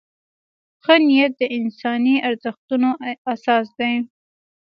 ښه نیت د انساني ارزښتونو اساس دی.